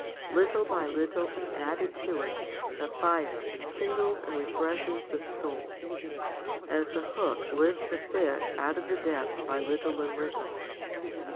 Little by little is added to it the fire which kindles and refreshes the soul, as the hook lifts the fish out of the depth by little and little.